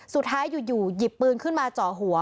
สุดท้ายอยู่หยิบปืนขึ้นมาเจาะหัว